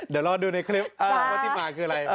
เดี๋ยวรอดูในคลิปว่าที่มาคืออะไร